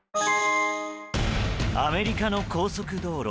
アメリカの高速道路。